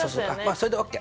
それでＯＫ。